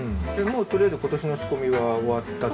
もう取りあえず今年の仕込みは終わった。